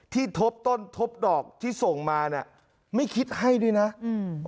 ทบต้นทบดอกที่ส่งมาเนี้ยไม่คิดให้ด้วยนะอืม